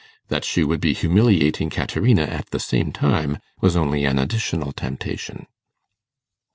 That she would be humiliating Caterina at the same time, was only an additional temptation.